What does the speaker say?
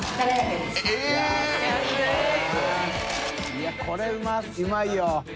いやこれうまいよ。